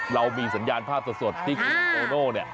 เรามีสัญญาณภาพสดที่คุณโตโน